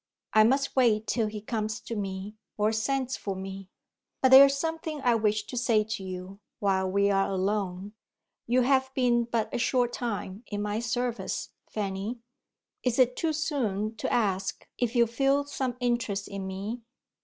I must wait till he comes to me, or sends for me. But there is something I wish to say to you, while we are alone. You have been but a short time in my service, Fanny. Is it too soon to ask if you feel some interest in me?"